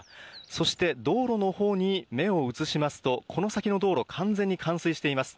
そして道路のほうに目を移しますと、この先の道路、完全に冠水しています。